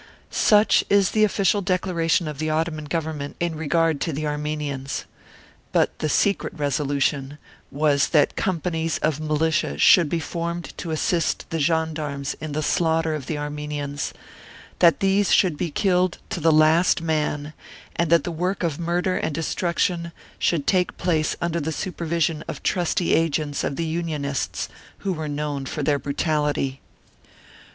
Such is the official declaration of the Ottoman Government in regard to the Armenians. But the secret resolution was that companies of militia should be formed to assist the gendarmes in the slaughter of the Armenians, that these should be killed to the last man, and that the work of murder and destruction should take place under the super vision of trusty agents of the Unionists, who were known for their brutality.